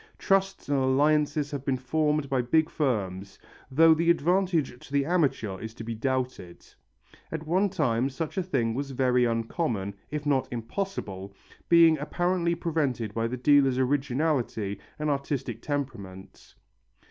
Trusts and alliances have been formed by big firms, though the advantage to the amateur is to be doubted. At one time such a thing was very uncommon, if not impossible, being apparently prevented by the dealer's originality and artistic temperament.